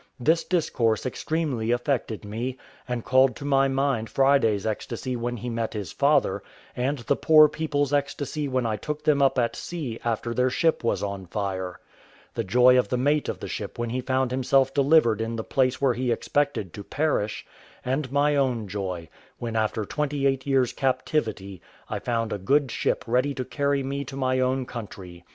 This discourse extremely affected me, and called to my mind Friday's ecstasy when he met his father, and the poor people's ecstasy when I took them up at sea after their ship was on fire; the joy of the mate of the ship when he found himself delivered in the place where he expected to perish; and my own joy, when, after twenty eight years' captivity, I found a good ship ready to carry me to my own country.